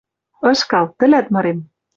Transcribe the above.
ЫШКАЛ, ТӸЛӒТ МЫРЕМ